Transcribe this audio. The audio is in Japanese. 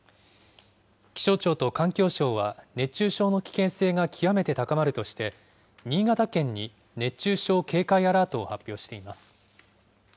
気象庁と環境省は、熱中症の危険性が極めて高まるとして、新潟県に熱中症警戒アラートを発表しています。